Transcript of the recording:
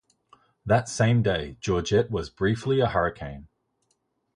That same day, Georgette was briefly a hurricane.